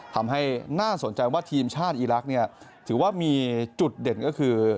ทำให้น่าสนใจว่าทีมชาติอีลักษณ์เนี่ยถือว่ามีจุดเด่นก็คือ